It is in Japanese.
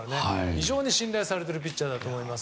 非常に信頼されているピッチャーだと思います。